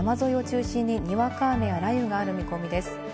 ただ午後は山沿いを中心ににわか雨や雷雨がある見込みです。